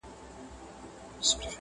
o هر څوک وايي، چي زما د غړکي خوند ښه دئ٫